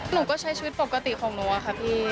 หนูก็ใช้ชีวิตปกติของหนูอะค่ะพี่